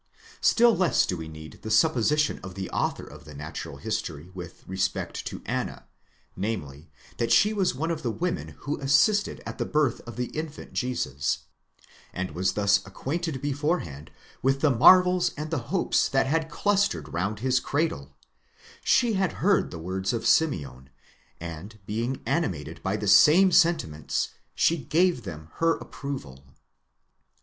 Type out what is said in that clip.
Still less do we need the supposition of the author of the Natural History with respect to Anna, namely, that she was one of the women who assisted at the birth of the infant Jesus, and was thus acquainted beforehand with the marvels and the hopes that had clustered round his cradle; she had heard the words of Simeon, and being animated by the same sentiments, she gave them her approval.